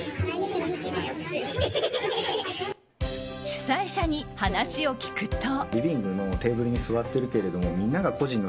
主催者に話を聞くと。